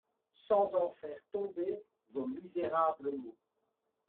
Sans en faire tomber vos misérables mots.